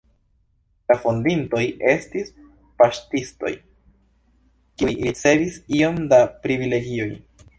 La fondintoj estis paŝtistoj, kiuj ricevis iom da privilegioj.